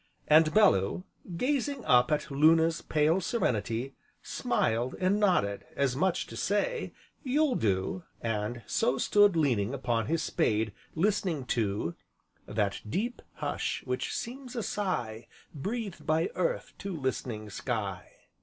And Bellew, gazing up at Luna's pale serenity, smiled and nodded, as much as to say, "You'll do!" and so stood leaning upon his spade listening to: "That deep hush which seems a sigh Breathed by Earth to listening sky."